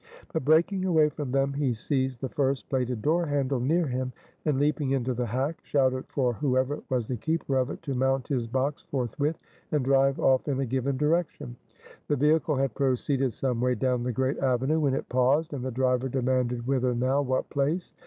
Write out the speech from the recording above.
But, breaking away from them, he seized the first plated door handle near him, and, leaping into the hack, shouted for whoever was the keeper of it, to mount his box forthwith and drive off in a given direction. The vehicle had proceeded some way down the great avenue when it paused, and the driver demanded whither now; what place?